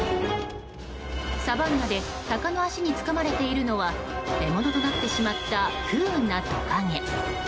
サバンナでタカの足につかまれているのは獲物となってしまった不運なトカゲ。